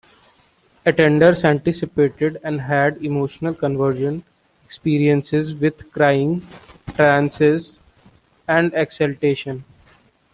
Attenders anticipated and had emotional conversion experiences, with crying, trances, and exaltation.